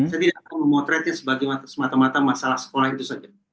saya tidak akan memotretnya sebagai semata mata masalah sekolah itu saja